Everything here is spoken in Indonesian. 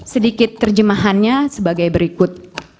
sedikit terjemahannya sebagai berikut